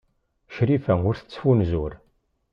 Crifa ur tettfunzur.